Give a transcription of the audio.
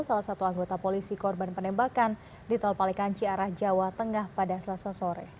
salah satu anggota polisi korban penembakan ditolpalikan ciara jawa tengah pada selasa sore